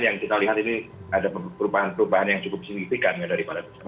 yang kita lihat ini ada perubahan perubahan yang cukup signifikan ya daripada